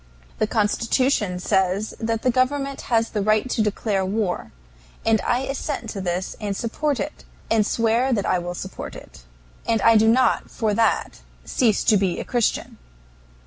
The Constitution says the government has the right to declare war, and I assent to this and support it, and swear that I will support it. And I do not for that cease to be a Christian.